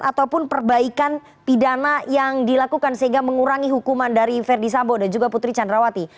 ataupun perbaikan pidana yang dilakukan sehingga mengurangi hukuman dari verdi sambo dan juga putri candrawati